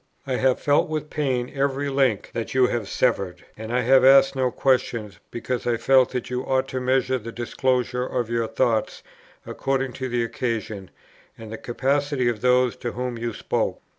I have felt with pain every link that you have severed, and I have asked no questions, because I felt that you ought to measure the disclosure of your thoughts according to the occasion, and the capacity of those to whom you spoke.